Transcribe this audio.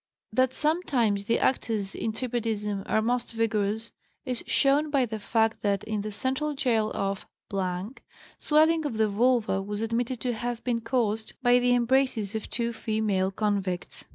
"That sometimes the actors in tribadism are most vigorous is shown by the fact that, in the central gaol of , swelling of the vulva was admitted to have been caused by the embraces of two female convicts.